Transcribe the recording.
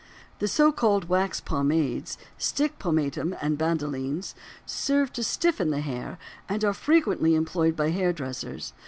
The so called wax pomades, stick pomatum, and bandolines serve to stiffen the hair and are frequently employed by hair dressers.